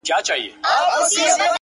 په دې خپه يم چي له نومه چي پېغور غورځي!